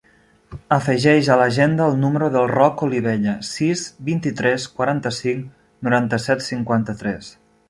Afegeix a l'agenda el número del Roc Olivella: sis, vint-i-tres, quaranta-cinc, noranta-set, cinquanta-tres.